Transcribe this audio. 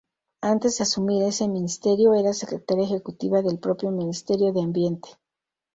Antes de asumir ese Ministerio, era Secretaria Ejecutiva del propio Ministerio de Ambiente.